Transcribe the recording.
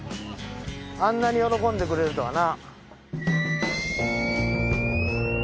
あんなに喜んでくれるとはな。